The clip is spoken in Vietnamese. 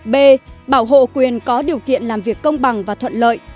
b bảo hộ quyền có điều kiện làm việc công bằng và thuận lợi